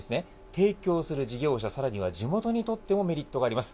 提供する事業者、さらに、地元にとってもメリットがあります。